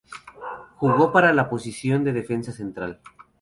Jugó para la posición de defensa central.